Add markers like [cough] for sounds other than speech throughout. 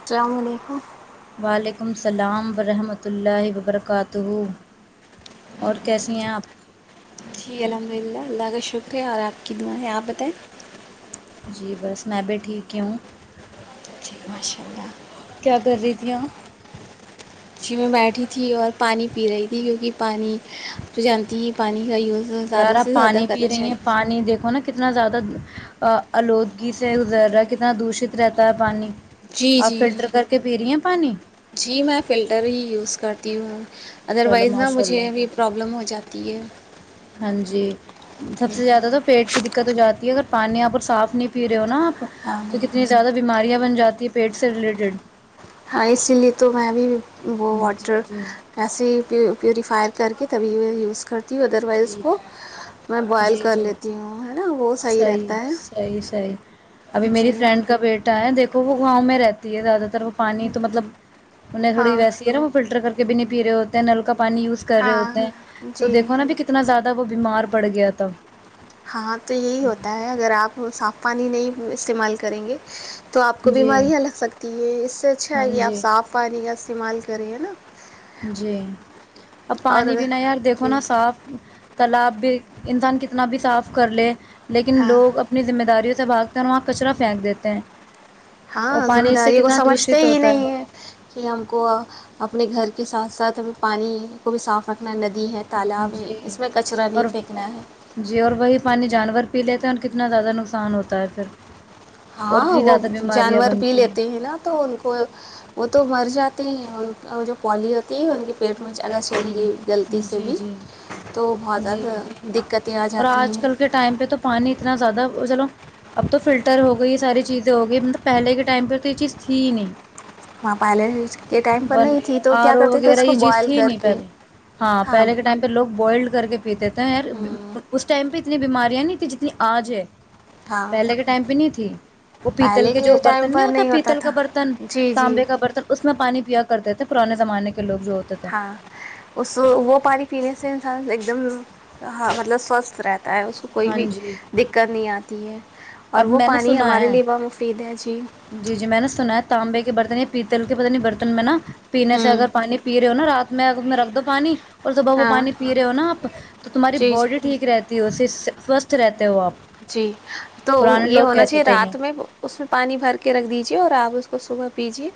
السلام علیکم وعلیکم السلام ورحمۃ اللہ وبرکاتہ اور کیسی ہیں آپ جی الحمد للہ اللہ کا شکریہ اور آپ کی دعانیں آپ بتائیں جی بس میں بھی ٹھیک ہی ہوں جی ماشاء اللہ کیا کر رہی تھی اپ جی میں بیٹھی تھی اور پانی پی رہی تھی کیونکہ پانی تو جانتی ہے پانی کا یوز یار زیادہ آپ سے زیادہ پانی کرنا پی رہی ہیں چاہیے پانی دیکھو نا کتنا زیادہ آلودگی سے گزر رہا ہے کتنا دشت رہتا ہے پانی جی آپ جی فلٹر کر کے پی رہی ہیں پانی جی میں فلٹر ہی یوز کرتا تیوں ادر چلو وائز نا ماشاء مجھے بھی اللہ پرابلم ہو جاتی ہے ہاں جی سب سے زیادہ تو پیٹ کی دقت ہو جاتی کی اگر پانی صاف نہیں پی رہے ہو نہ اپ ہاں تو جی کتنی زیادہ بیماریاں بن جاتی ہیں پیٹ سے ریلیٹڈ ہاں اسی لیے تو میں بھی وہ جی واٹر جی ایسے ہی پیوریفائر کر کے تبھی میں یوز کر ٹھیک ہے جی کر جی لیتی ہوں ہے نا وہ صحیح رہتا ہے صحیح صحی ابھی جی میری فرینڈ کا بیٹا ہے دیکھو وہ گاؤں میں رہتی ہے زیادہ پانی تو مطلب انہیں تھوڑی ہاں ویسی ہے نا وہ فلٹر کر بھی نہیں پی رہے ہوتے ہیں نل کا پانی یوز کر رہے ہاں ہوتے ہیں تو جی دیکھو ہونا بھی کتنا زیادہ وہ بیمار پڑ گیا تھا ہاں تو یہی ہوتا ہے اگر آپ صاف پانی نہیں استعمال کریں گے تو آپ کو جی بیماریاں لگ سکتی ہیں اس سے اچھا ہاں ہے کہ آپ جی صاف پانی کا استعمال کریں ہے نا جی اب اور پانی اگر بنا یار دیکھو جی نا صاف تالاب بھی انسان کتنا بھی صاف کر لے لیکن ہاں لوگ اپنی ذمہ داریوں سے بھاگتے ہیں اور وہاں کچرا پھینک دیتے ہیں [unintelligible] ہاں اور ذمہ پانی اس سے داریوں کو کتنا سمجھتے دشت ہی ہوتا نہیں ہے کہ ہم کو اپنے گھر کی [unintelligible] کے ساتھ ساتھ ہمیں پانی کو بھی صاف رکھنا ندی [unintelligible] ہ تالاب ہے جی اس میں کچرا اور نہیں پھینکنا ہے جی اور وہی پانی جانور کے [unintelligible] پی لیتے ہیں اور کتنا زیادہ نقصان ہوتا ہے پھر [unintelligible] اور ہاں اتنی وہ زیادہ بیماریاں جانور پی بنتی لیتے ہیں نا تو ان کو وہ تو مر جاتے ہیں [unintelligible] اور جو پلی اتی ان پٹ [unintelligible] جی جی تو بہت جی زیادہ دقتیں آ اور جاتی آج ہیں کل کے ٹائم پہ تو پانی اتنا زیادہ چلو [unintelligible] اب تو فلٹر ہو گئی ساری چیزیں ہو گئی مطلب پہلے کے ٹائم پہ تو یہ چیز تھی ہی نہیں [unintelligible] وہاں پہلے [unintelligible] ن نہیں تھی تو آر کیا او کرتے تھے وغیرہ اس کو یہ چیز بوائل تھی کر نہیں کے پہلے ہاں پہلے کے ٹائم پہ لوگ بوائلڈ کر کے پیتے تھے یار اس ٹائم پہ اتنی بیماری [unintelligible] ن ت جتنی آج ہے [unintelligible] ہاں پہلے کے ٹائم پہ نہیں تھی وہ پیتل پہلے کے جو ٹائم برتن نہیں پر ہوتا پیتل کا تھا برتن جی جی تانبے کا برتن اس میں پانی [unintelligible] کرتے تھے پرانے زمانے کے لگ [unintelligible] ہاں اس وہ پانی پینے سے انسان ایک [unintelligible] ایک دم ہ مطلب سوستھ رہتا [inaudible] ہوتا ہے اس کو کوئی ہاں بھی جی دقت نہیں آتی ہے [unintelligible] اور اب وہ میں نے پانی سنا ہمارے ہے لیے بہت مفید ہے جی جی جی میں نے سنا ہے تانبے [unintelligible] برتن یا پیتل کے پت نہیں برتن میں نا [unintelligible] پینے سے ہوں اگر پانی پی رہے ہو نا رات [unintelligible] میں میں رکھ دو پانی [unintelligible] اور صبح وہ ہاں پانی پی رہے ہو نا آپ تو تمہاری جی جی باڈی ٹھیک رہتی [unintelligible] سے سوستھ رہتے ہو [unintelligible] جی [inaudible] تو پرانے یہ لوگ ہونا کہتے چاہیے تھے رات میں یہ اس میں پانی بھر کے رکھ دیجے اور آپ اس کو صبح [unintelligible] پی جی [unintelligible]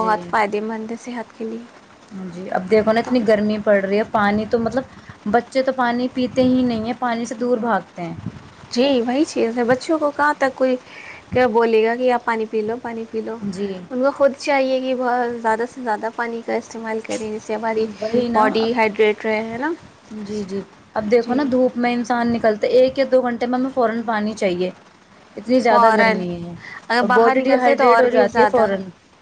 جی صحت کے لیے جی اب دیکھو نا تو اتنی گرمی پڑ رہی ہے پانی [unintelligible] تو مطلب بچے تو پانی پیتے ہی نہیں ہے پانی سے دور بھاگتے ہیں [unintelligible] جی وہی چیز ہے بچوں کو کہاں تک کوئی کیا بولے گا کہ آپ پانی پی لو [unintelligible] پانی پی لو جی ان کو خود چاہیے [unintelligible] یہ بت زیادہ سے زیادہ پانی کا استعمال [unintelligible] ہ ہماری وہی نا اب باڈی ہائڈریٹ رہے ہے نا جی جی اب دیکھو جی نا دھوپ میں انسان نکلتے ایک فورا اگر باہر نکلتے تو اور بھی زیادہ [unintelligible] [unintelligible] [unintelligible]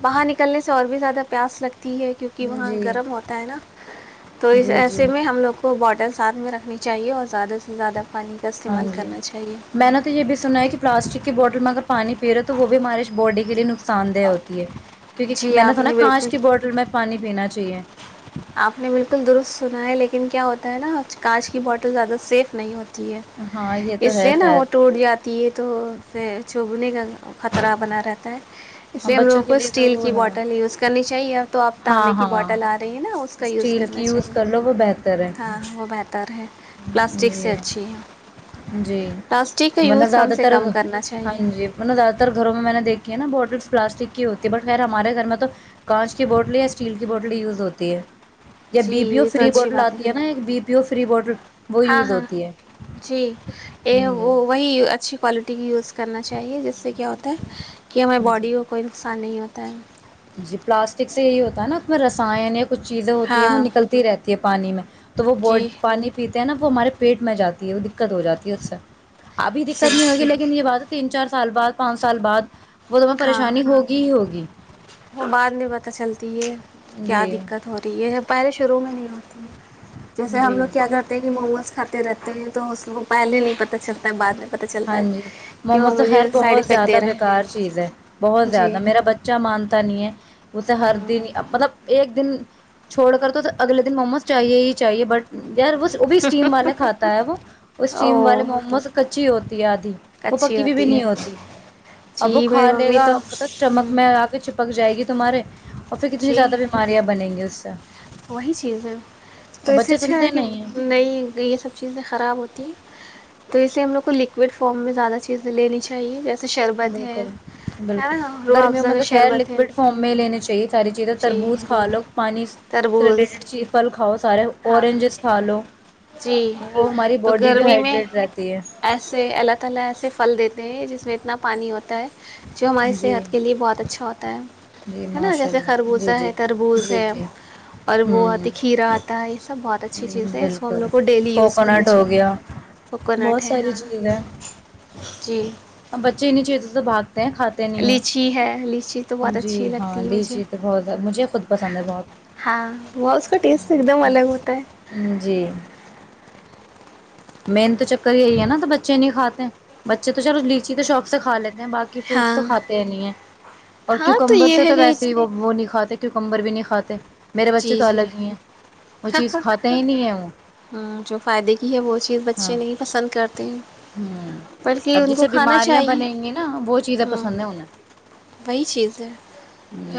باہر نکلنے سے اور بھی زیادہ پیاس لگتا ہے کیوںکہ وہاں جی گرم ہوتا ہے نا تو اس جی جی ایسے میں ہم لوگ کو باٹلس ہاتھ میں رکھنی چاہیے اور زیادہ سے زیادہ پانی کا ہاں استعمال جی کرنا چاہیے میں نےا تو یہ بھی سنانا ہے کہ پلاسٹک کی بو میں اگر پانی پی رہے ہو تو وہ بھی ہمارے باڈی کے لیے نقصان دہ ہوتی ہے کیونکہ جی میں نے آپ سوناا کانچ بالکل کی بوٹل میں پانی پینا چاہیے آپ نے بالکل درست سنا ہے لیکن کیا ہوتا ہے نا کانچ کی بوٹل زیادہ سیف نہیں ہوتی ہاں یہ تو اس ہے لیے نا خیر وہ ٹوٹ جاتی ہے تو چبنے کا خطرہ بنا رہتا ہے اس لیے ہم بچوں لوگوں کے کو تو اسٹیل وہ کی ہے بوٹل یوز کرنی چاہیے اب تو آپ ہاں تانبے کی ہاں بوٹل آ رہی ہیں نا اس کا یوز اسٹیل کرنا کی یوز چاہیے کر لو وہ بہتر ہے ہاں وہ بہتر ہے پلاسٹک سے جی اچھی ہے جی پلاسٹک کا مطب یوز کم زیادہ سے تر کم کرنا ہاں چاہیے جی مطب زیادہ تر گھروں میں میں نے دیکھی ہے نا بوٹلس پلاسٹک کی ہوتی ہے بٹ خیر ہمارے گھر میں تو کانچ کی بوٹلیں یا اسٹیل کی بوٹل یوز ہوتی ہے یا جی بی پی او یہ تو فری اچھی بڈ بات لاتی ہے نا ایک بی پیو فری باٹر وہ ہاں یوز ہاں ہوتی ہے جی وہ جی وہی اچھی کوالٹی یوز کرنا چاہیے جیسے کہ کیا ہوتا ہے کہ ہماراری باڈی جی کو کوئی نقصان نہیں ہوتا ت [unintelligible] جی پلاسٹک سے یہی ہوتا ہے نا اپنا رسان ایک کچھ چیزیں ہوتی ہیں وہ ہاں نکلتی رہتی ہے پانی میں تو وہ ب جی پانی پیتے تو نا وہ ہمارے پیٹ میں جاتی ہے وہ دقت ہو جاتی ہے اس سے ابھی دقت نہیں صرف ہوگی لیکن یہ بات تین چار سال بعد پانچ سال بعد وہ تو میںہ ہاں پریشانی ہوگی ہی ہوگی بعد میں پتہ چلتی ہے کیا جی دقت ہو رہی ہے پہلے شروع میں م [unintelligible] جیسے ہم جی لوگ کیا کرتے ہیں کہ مگس کھاتے رہتے ہیں تو اس لو پہلے نہیں پت ہاں جی وہ مووموز تو خیر مجھے سائڈ بہت افیکٹ زیادہ دے رہا بےکار چیز ہے بہت ہے زیاد جی میرا بچہ مانتا نہیں ہے اسے ہر دن مطلب ایک دن چھوڑ کر تو اگلے دن موموز چاہیے ہی چاہیے بٹ یار وہ وہ بھی اسٹیم والے کھاتا ہے وہ اسٹیم والے او موموز کچی ہوتی ہے آدھی وہ اچھی پکی ہوئی بھی ہے نہیں ہوتی اب وہ جی میری کھا لے ممی گا تو م اسٹمک ہ میں آ کے چپک جائے گی تو تمہارے اور پھر کتنی جی زیادہ بیماریاں بنیں گی اس سے وہی چیز ہے تو اس سے بچے اچھا ہے سنتے کہ نہیں ہیں نہیںئی یہ سب چیزیں خراب ہوتی ہیں تو اسے ہم لو کو لکوڈ فارم میں زیادہ چیز لینی چاہیے جیسے شربت ہے بالکل ہے بالکل نا روح گرمیوں افزا میں کا تو خیر شربت ہے لکوڈ فارم میں لینی چاہیے ساری چیزیں جی تربوز کھا لو پانی ریلیٹڈ چیز پل کاؤ سار ہنا جی وہ ہماری باڈی بھی گرمی میں ہائڈریٹ رہتی ہے ایسے اللہ تعالی ایسے پھل دیتے ہیں جس میں اتنا پانی ہوتا ہے جو ہماری جی صحت کے لیے بہت اچھا ہوتا ہے جی ہے نا ماشاء جیسے اللہ جی خربوزہ جی ہے تربوز جی ہے جی اور وہ ہوں آتی کھیرا آتی تائیس سب بہت اچھی چیز ہے اس کو ہم لوگ بالکل کو ڈیلی یوز کرنا کوکونٹ ہو چاہیے گیا کوکونٹ بہت ہے ساری ہاں چیزیں اب جی بچے انی چیز سے بعات لیچی ہے لیچی تو بہت اچھی جی ہاں لگتی ہے مجھے لیچی تو بہت مجھے خود پسند ہے ہاں وہ اس کا ٹیسٹ ایک دم الگ ہوتا ہے بہت جی مین تو چکر یہی ہے نا تو بچے نہیں کاتے ہیں بچے تو چلو لیچی تو شاپ سے کھا لیتے باقی فروٹس تو ہاں کاتے نہیں ہے اور ہاں کیکمبر یہ سے ہے تو کہ ویسے ہی وہ وہ نہیں کھاتے کی کمبر بھی نہیں کاتے میرے بچے جی تو جی الگ ہی ہیں وہ چیز کھاتے ہی نہیں ہیں وہ یز ہاں بچے نہیں پسند کرتے ہوں بہ اب ان جس کو سے کھانا بیماریاں بنیں گی نا وہ چیزیں چاہے پسند ہیں انہیں وہی چیز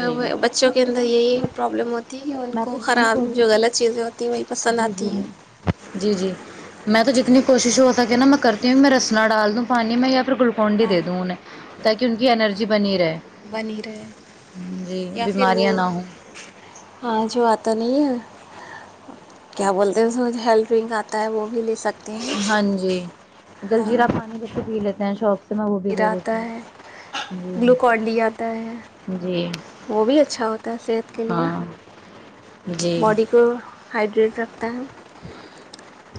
جی بچوں کے اندر یہی پرابلم ہوتی تی ان میں کو تو جتنی خراب جو کوشش غلط چیزیں ہوتی ہیں وہ جی جی جی جی میں تو جتنی کوشش ہو سکے نا میں کرتی ہوں میں رسنا ڈال دوں پانی میں یا ات کلکن ہاں دے دون تاکہ ان کی انینرجی بنی رہی بنی رہے یا پھر وہ بیماریاں نہ ہوں ہاں جو آتا نہیں ہے کیا بولتے ہیں اس ہیلتھ ڈرنک آتا ہے وہ بھی لے سکتے ہیں ہاں جی جل جیرا پانی بسے پی لیتے شوق [inaudible] زیرا دے آتا دیتی ہوں ہے جی گلوکون ڈی آتا ہے جی وہ بھی اچھا ہوتا ہے صحت کے لیے ہاں جی باڈی کو ہائیڈریٹ رکھ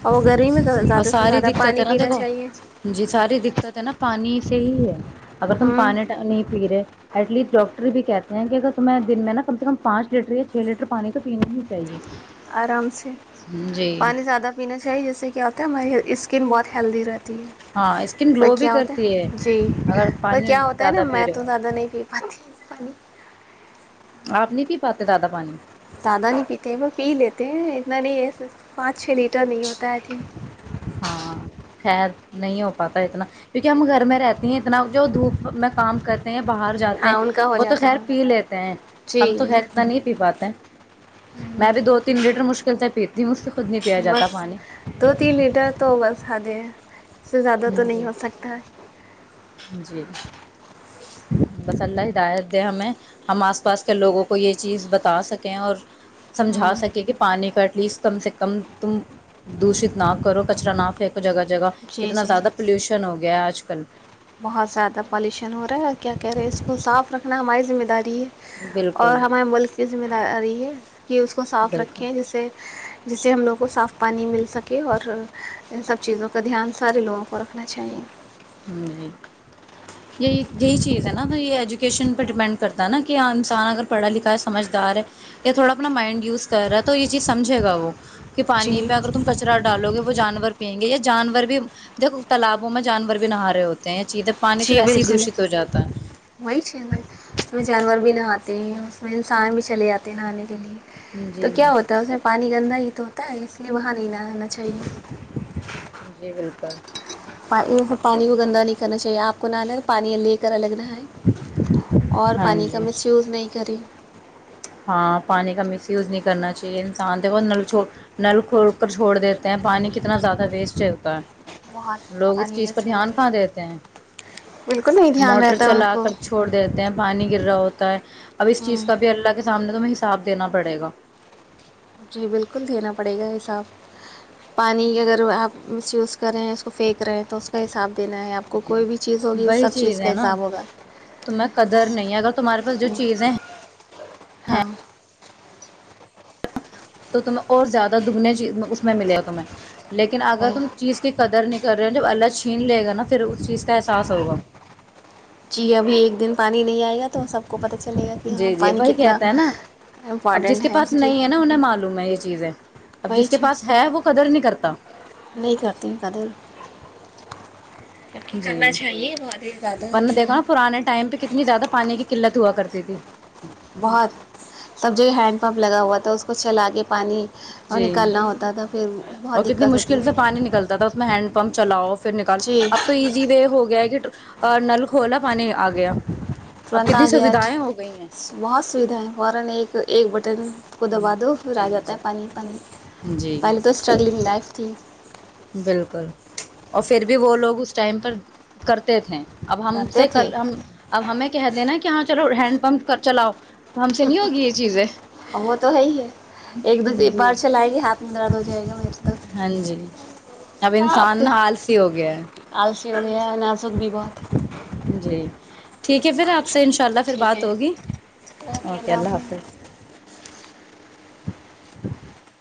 اور گرمی میں اور زیادہ سے ساری زیادہ دقت پانی ہے نا پینا دیکھو چاہیے جی ساری دقت ہے نا پانی سے ہی ہے [inaudible] اگر تم ہوں پانی نہیں پی رہے ایٹ لیسٹ ڈاکٹر بھی کہتے ہیں کہ اگر تمہیں دن میں نا کم سے کم پانچ لیٹر یا چھ لیٹر پانی تو پینا ہی چاہیے آرام سے جی [inaudible] پانی زیادہ پینا چاہیے جیس سے کیا ہوتا ہے ہماری اسکن بہت ہیلدی رہتی ہاں اسکن گلو [inaudible] بھی کیا ہوتا کرتی ہے جی اگر وہ پانی کیا ہوتا ہے نا زیادہ پی میں رہے تو ہو زیادہ نہیں پی پاتی پانی آپ نہیں پی پاتتے دادا پانی زیادہ نہیں پیتے وہ پی لیتے ہیں اتنا نہیں ہے پانچ چھ لیٹر نہیں ہوتا ہے آئی تھنک ہاں خید نہیں ہو پاتا ہے اتنا کیونکہ ہم گھر میں رہتی ہیں اتنا جو دھوپ میں کام کر ہیں باہر جاتے ہاں ہیں ان کا ہو وہ تو جاتا خیر ہے پی لیتے ہیں جی ہم تو خیر اتنا نہیں پی پاتے میں بھی دو تین لیٹر مشکل سے پیتی ہوں مج سے خود نہیں پیا جاتا بس پانی [unintelligible] دو تین لیٹر تو بس حاد اس سے زیادہ تو نہیں جی ہو سکتا ہے جی بس اللہ ہدایت دے ہمیں ہم آس پاس کے لوگوں کو یہ چیز بتا سکیں اور سمجا ہوں سکے کہ پانی کاٹ پلیز کم سے کم تم دوشت نہ کرو کچرا نہ پھینکو جگہ جگہ جی کتنا جی زیادہ پولوشن ہوگا گیا آج کل بہت زیادہ پالیوشن ہو رہا ہے اور کیا کہہ رہے ہیں اس کو صاف رکھنا ہماری ذمہ داری ہے اور بالکل ہمارے ملک کی زمین آ رہی ہے کہ اس کو صاف بالکل رکھیں جسے جس سے ہم لوگوں کو صاف پانی مل سکے اور ان سب چیزوں کا دھیان سارے لوگوں کو رکھنا چاہیے جی یہی یہی چیز ہے نا تو یہ ایجوکیشن پہ ڈپینڈ کرتا ہے نا کہ انسان اگر پڑھا لکھا ہے سمجھدار ہے یا تھوڑا اپنا مائنڈ یوز کر رہا ہے تو یہ چیز سمجھے گا وہ کہ جی پانی پہ اگر تم کچرا ڈالو گے وہ جانور پئیں گے یہ جانور بھی دیکھو تالابوں میں جانور بھی بھی نہا رہے ہوتے ہیں جی بالکل دشت ہو جاتا وہی چ جانور بھی نہاتے تے ہیں اس میں انسان بھی چلے جتے ہیں نہانے کے لیے ہے تو جی کیا ہوتا ہے اس میں پانی گندا ہی تو تا ہے اس لیے وہاں نہیںا چاہے جی بالکل پانی پانی کو گندہ نہیں کرنا چاہیے آپ کو نہآنا الگ پانی لے کر الگ نہ اور ہاں پانی جی کا مس یوز نہیں کری ہاں پانی کا مس یوز نہیں کرنا چاہیے انسان دیکھو نل چھوڑ نل کھول کر چھوڑ دیتے ہیں پانی کتنا زیادہ ویسٹ چلتا ہے بہت لوگ اس پانی چیز پر ویسٹ ہو دھیان جاتا کہا ہے دیتے ہیں بالکل نہیں دھیان موٹر رہتا ہے ان چلا کو کر چھوڑ دیتے ہیں پانی گر رہا ہوتا [inaudible] اب اس چیز ہوں کا بھی اللہ کے تمہیں حصاب دینا پڑے گا جی بالکل دینا پڑے گا حساب پانی اگر آپ مس یوز کر رہے ہیں اس کو پھینک رہے ہیں تو اس کا حساب دینا ہے آپ کو جی کوئی بھی چیز ہوگی اس وہی سب چیز ہے کا نا حساب ہوگا تمہیں قدر نہیں اگر تمہارے پاس جو چیزیں ہیں ہاں تو تمہیں اور زیادہ دگنے چیز اس میں ملے تمہیں لیکن اگر وہی تم چیز کی قدر نک کر رہے ہیں جب اللہ چھین لے گا نا پھر اس چیز کا احساس ہوگا جی ابھی ایک دن پانی نہیں آئے گا تو سب کو پتہ چلے گا کہ ہاں جی جی پانی وہی کتنا کہتا ہے نا اب جس امپورٹنٹ کے ہے پاس جی نہیں ہے نا انہیں معلوم ہے یہ چیزیں اب وہی جس کے چیز پاس ہے وہ قدر نہیں کرتا [inaudible] نہیں کرتی جب کی جی کرنا چاہیے بہت ہی زیادہ اتنی زیادہ پانی کی قلت ہوا کرتی تھی بہت سب جگہ ہینڈ پمپ لگا ہوا تھا اس کچھ لگے پانی اور جی نکالنا ہوتا تھا پھر اور بہت کتنی دقت ہوتی مشکل سے ہے پانی نکلتا تھا اس میں ہینڈ پمپ چلاؤ پھر نکالو جی اب تو ایزی وے ہو گیا ہے کہ نل کھول پانی آ گیا اب کتنی پرندنا گیا سویدھائیں ہو گئی ہیں بہت سویدھا ہے فورا ایک ایک ب بٹن کو دبا دو پھر آ جی جاتا ہے پانی پانی جی جی پہلے تو اسٹرگلنگ لائف تھی بالکل اور پھر بھی وہ لوگ اس ٹائم پر کرتے تھے [unintelligible] اب ہم سے کرتے تھے اب ہمیں کہہ دینا کہ ہاں چلو رہ ہینڈ پمپ چلاؤ [unintelligible] ہوگی یہ چیزیں وہ تو ہےی ہے ایک دوسرے جی بار چلائے گی ہاتھ میں درد ہو جائے گا م تک ہاں جی اب انسان نا ہالسی ہو گیا ہے چڑیا نازک بھی بہت جی [unintelligible] ٹھیک ہے پھر آپ سے ان شاء اللہ پھر ٹھیک بات ہے ہوگی اوکے اللہ حافظ [unintelligible] [inaudible]